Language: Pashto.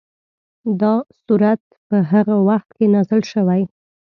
دا سورت په هغه وخت کې نازل شوی.